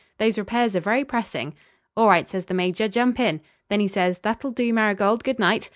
'Those repairs are very pressing.' 'All right,' says the Major, 'jump in.' Then he says: 'That'll do, Marigold. Good night.'